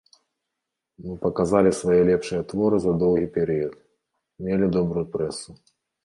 Мы паказалі свае лепшыя творы за доўгі перыяд, мелі добрую прэсу.